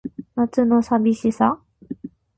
夏の淋しさ